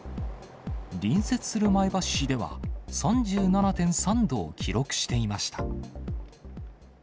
隣接する前橋市では、３７．３度を記録していました。